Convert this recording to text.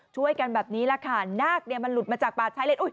ช่วยกันแบบนี้แหละค่ะนาคมันหลุดมาจากป่าใช้เล่น